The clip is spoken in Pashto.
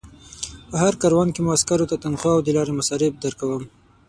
په هر کاروان کې مو عسکرو ته تنخوا او د لارې مصارف درکوم.